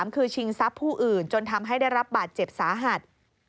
คือชิงทรัพย์ผู้อื่นจนทำให้ได้รับบาดเจ็บสาหัส